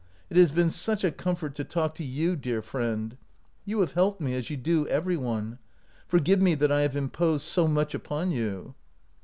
It has been such a comfort to talk to you, dear friend. You 104 I OUT OF BOHEMIA have helped me, as you do every one. For give me that I have imposed so much upon you."